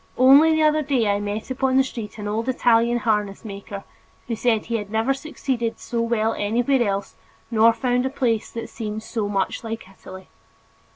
Only the other day I met upon the street an old Italian harness maker, who said that he had never succeeded so well anywhere else nor found a place that "seemed so much like Italy."